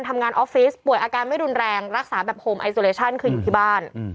ออฟฟิศป่วยอาการไม่รุนแรงรักษาแบบโฮมไอโซเลชั่นคืออยู่ที่บ้าน